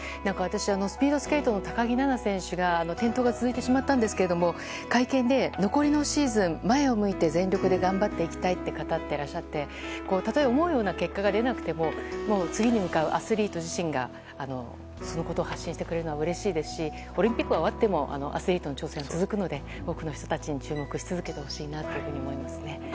スピードスケートの高木菜那選手が転倒が続いてしまったんですが会見で残りのシーズン前を向いて全力で頑張っていきたいと語っていらっしゃって思うような結果が出なくても次に向かうアスリート自身が発信してくれるのはうれしいですしオリンピックが終わってもアスリートの挑戦は続くので、多くの人たちに注目し続けてほしいなと思いますね。